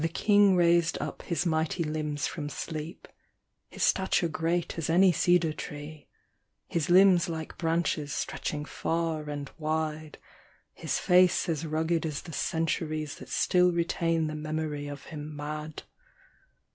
The King raised up his mighty limbs from sleep ; His stature great as any cedar tree, His limbs like branches stretching far and wide, His face as rugged as the centuries That still retain the memory of him mad.